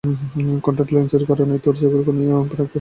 Contact লেন্সের কারণেই তাঁর দুটি চোখের কর্নিয়া প্রায় নষ্ট হওয়ার পথে।